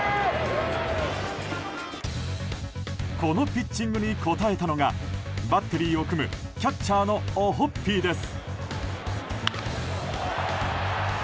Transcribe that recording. このピッチングに応えたのがバッテリーを組むキャッチャーのオホッピーです。